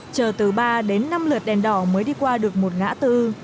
chờ từ ba đến năm lượt đèn đỏ mới đi qua được một ngã tư